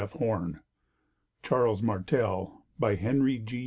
] CHARLES MARTEL By HENRY G.